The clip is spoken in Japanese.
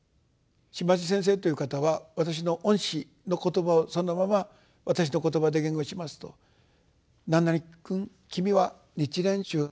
島地先生という方は私の恩師の言葉をそのまま私の言葉で言語しますと「何々君君は日蓮宗。